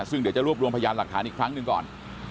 ซึ่งเดี๋ยวจะรวบรวมพยานหลักฐานอีกครั้งหนึ่งก่อน